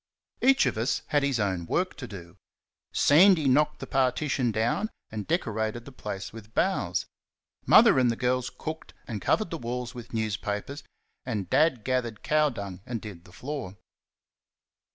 Each of us had his own work to do. Sandy knocked the partition down and decorated the place with boughs; Mother and the girls cooked and covered the walls with newspapers, and Dad gathered cow dung and did the floor.